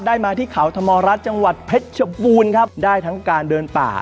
มาที่เขาธรรมรัฐจังหวัดเพชรชบูรณ์ครับได้ทั้งการเดินป่า